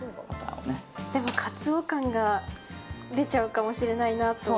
でもカツオ感が出ちゃうかもしれないなと。